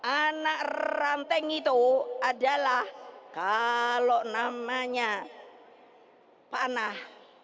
anak ranting itu adalah kalau namanya panah